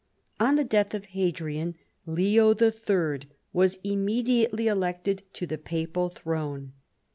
On the death of Hadrian, Leo III. was immedi ately elected to the papal throne.